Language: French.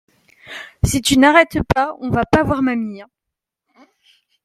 Si tu n'arrêtes pas, on va pas voir mamie.